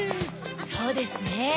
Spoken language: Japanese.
そうですね。